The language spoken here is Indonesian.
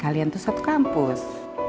kalian tuh satu kampus